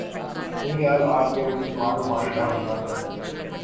یہی حال آج کا مسلمان ممالک کا ہونا